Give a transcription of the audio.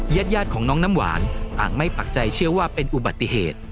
ญาติของน้องน้ำหวานต่างไม่ปักใจเชื่อว่าเป็นอุบัติเหตุ